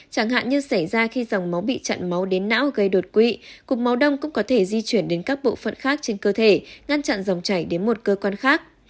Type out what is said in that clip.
chẳng hạn như xảy ra khi dòng máu bị chặn máu đến não gây đột quỵ cục máu đông cũng có thể di chuyển đến các bộ phận khác trên cơ thể ngăn chặn dòng chảy đến một cơ quan khác